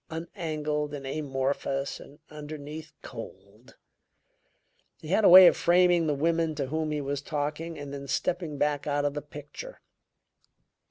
Unangled and amorphous, and underneath, cold! He had a way of framing the woman to whom he was talking and then stepping back out of the picture.